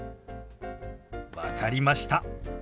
分かりました。